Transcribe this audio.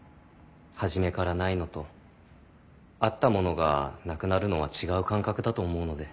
初めからないのとあったものがなくなるのは違う感覚だと思うので。